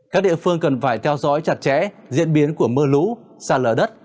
các địa phương cần phải theo dõi chặt chẽ diễn biến của mưa lũ sạt lở đất